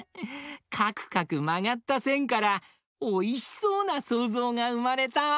かくかくまがったせんからおいしそうなそうぞうがうまれた！